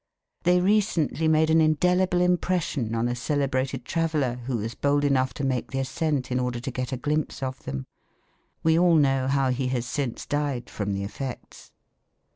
They recently made an indelible impression on a celebrated traveller who was bold enough to make the ascent in order to get a glimpse of them. We all know how he has since died from the effects.